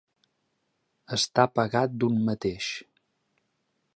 Estar pagat d'un mateix.